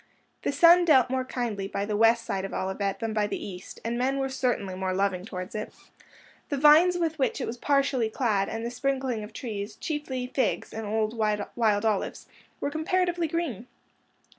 The sun dealt more kindly by the west side of Olivet than by the east, and men were certainly more loving towards it. The vines with which it was partially clad, and the sprinkling of trees, chiefly figs and old wild olives, were comparatively green.